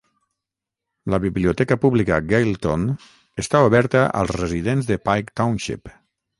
La biblioteca pública Galeton està oberta als residents de Pike Township.